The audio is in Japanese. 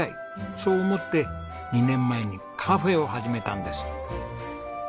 そう思って２年前にカフェを始めたんです。